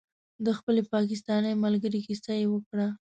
د خپلې پاکستانۍ ملګرې کیسه یې وکړه.